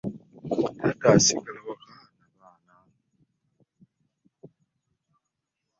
Taata yasigala waka na baana.